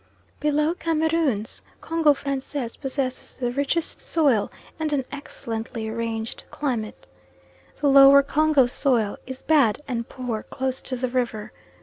Below Cameroons, Congo Francais possesses the richest soil and an excellently arranged climate. The lower Congo soil is bad and poor close to the river.